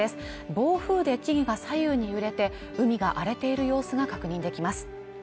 暴風で木々が左右に揺れて海が荒れている様子が確認できます